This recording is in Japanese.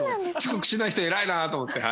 遅刻しない人偉いなと思って。